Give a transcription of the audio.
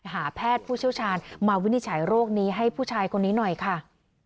หาแพทย์ผู้เชี่ยวชาญมาวินิจฉัยโรคนี้ให้ผู้ชายคนนี้หน่อยค่ะ